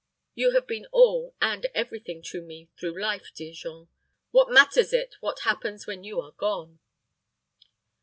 You have been all and every thing to me through life, dear Jean. What matters it what happens when you are gone?"